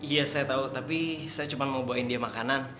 iya saya tahu tapi saya cuma mau bawain dia makanan